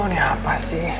ini apa sih